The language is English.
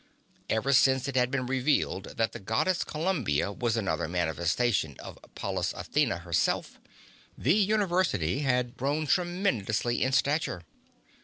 Ever since it had been revealed that the goddess Columbia was another manifestation of Pallas Athena herself, the University had grown tremendously in stature.